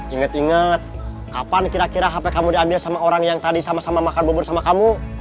ingat ingat kapan kira kira hp kamu diambil sama orang yang tadi sama sama makan bubur sama kamu